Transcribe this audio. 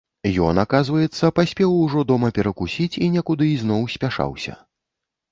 Ён, аказваецца, паспеў ужо дома перакусіць і некуды ізноў спяшаўся.